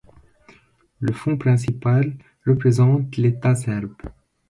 Le fond principal représente l'État serbe.